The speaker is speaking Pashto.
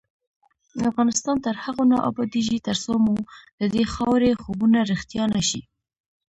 افغانستان تر هغو نه ابادیږي، ترڅو مو ددې خاورې خوبونه رښتیا نشي.